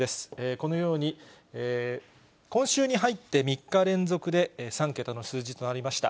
このように、今週に入って３日連続で３桁の数字となりました。